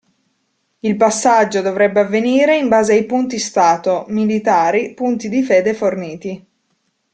Il passaggio dovrebbe avvenire in base ai punti stato, militari, punti di Fede forniti.